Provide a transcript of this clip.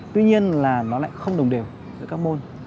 tuy nhiên là nó lại không đồng đều giữa các môn